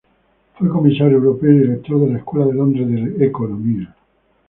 Fue Comisario europeo y Director de la Escuela de Londres de Economía.